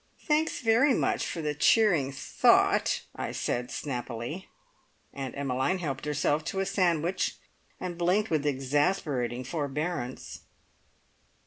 "Thanks very much for the cheering thought," I said snappily. Aunt Emmeline helped herself to a sandwich, and blinked with exasperating forbearance.